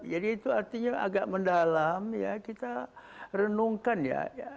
jadi itu artinya agak mendalam kita renungkan ya